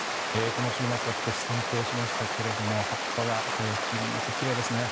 この週末は私、散歩をしましたけど葉っぱが赤や黄色になってきれいですね。